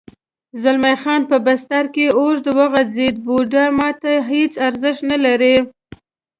زلمی خان په بستره کې اوږد وغځېد: بوډا ما ته هېڅ ارزښت نه لري.